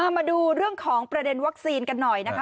มาดูเรื่องของประเด็นวัคซีนกันหน่อยนะคะ